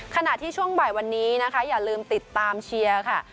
ขณะที่ช่วงบ่ายวันนี้นะคะอย่าลืมติดตามเชียร์ค่ะ